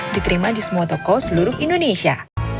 diterima di semua toko seluruh indonesia